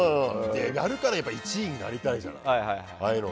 やるからには１位になりたいじゃない。